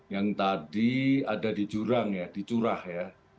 yang tadi ada di jurang ya di curah ya